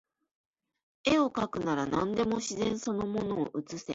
画をかくなら何でも自然その物を写せ